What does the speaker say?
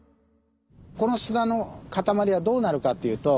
この砂の塊はどうなるかっていうと。